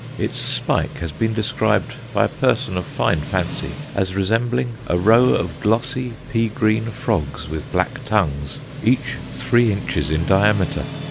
Its spike has been described by a person of fine fancy as resembling a row of glossy pea green frogs with black tongues, each three inches in diameter.